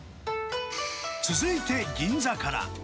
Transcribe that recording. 続いて、銀座から。